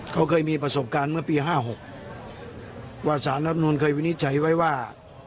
เขาเคยมีประสบการณ์เมื่อปี๕๖ว่าสารรับนูลเคยวินิจฉัยไว้ว่า